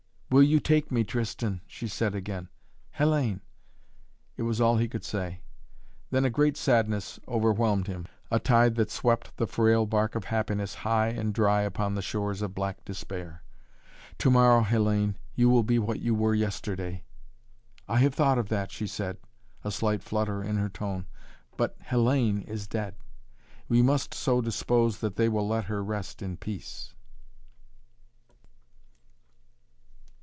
"Will you take me, Tristan?" she said again. "Hellayne " It was all he could say. Then a great sadness overwhelmed him, a tide that swept the frail bark of happiness high and dry upon the shores of black despair. "To morrow, Hellayne, you will be what you were yesterday." "I have thought of that," she said, a slight flutter in her tone. "But Hellayne is dead. We must so dispose that they will let her rest in peace."